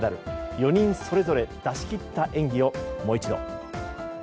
４人それぞれ出し切った演技をもう一度。